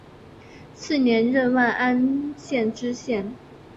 次年任万安县知县。